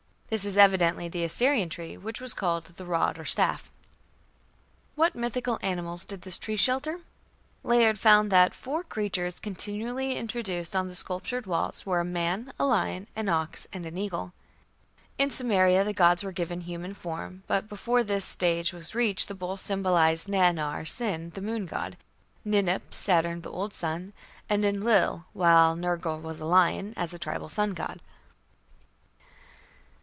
This is evidently the Assyrian tree which was called "the rod" or "staff". What mythical animals did this tree shelter? Layard found that "the four creatures continually introduced on the sculptured walls", were "a man, a lion, an ox, and an eagle". In Sumeria the gods were given human form, but before this stage was reached the bull symbolized Nannar (Sin), the moon god, Ninip (Saturn, the old sun), and Enlil, while Nergal was a lion, as a tribal sun god.